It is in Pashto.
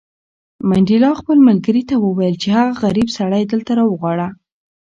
منډېلا خپل ملګري ته وویل چې هغه غریب سړی دلته راوغواړه.